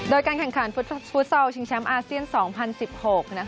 โดยการแข่งขันฟุตซอลชิงแชมป์อาเซียน๒๐๑๖นะคะ